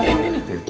ini bella ya